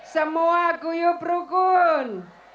semua kuyup rukun